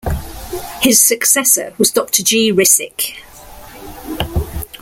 His successor was Doctor G. Rissik.